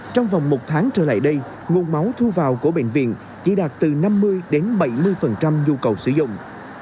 trong vòng một tháng trở lại đây nguồn máu thu vào của bệnh viện chỉ đạt từ năm mươi đến bảy mươi nhu cầu sử dụng